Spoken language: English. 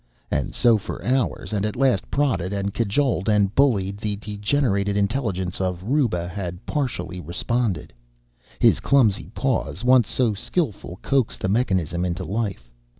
And so for hours. And at last, prodded and cajoled and bullied, the degenerated intelligence of Ruba had partially responded. His clumsy paws, once so skilful, coaxed the mechanism into life.